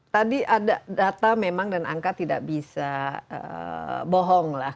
tadi ada data memang dan angka tidak bisa bohong lah